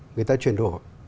người ta chuyển đổi